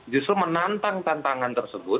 justru menantang tantangan tersebut